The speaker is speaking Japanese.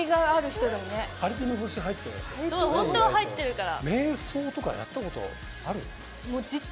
ホントは入ってるから。